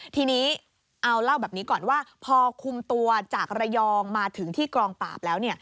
ทีนี้เอาเล่าแบบนี้ก่อนว่าพอคุมตัวจากระยองมาถึงที่กองปราบแล้ว